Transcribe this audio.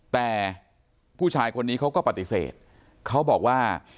แต่ผู้ชายคนนี้เขาก็ปฏิเสธเขาบอกว่า